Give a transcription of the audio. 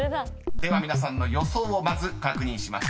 ［では皆さんの予想をまず確認します］